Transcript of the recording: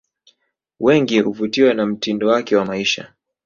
Wengi uvutiwa na mtindo wake wa maisha